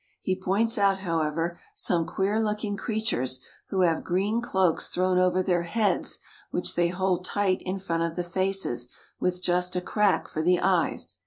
He points out, however, some queer looking creatures who have green cloaks thrown over their heads which they hold tight in front of the faces with just a crack for the eyes.